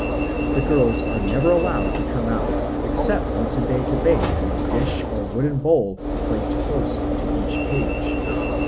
The girls are never allowed to come out except once a day to bathe in a dish or wooden bowl placed close to each cage.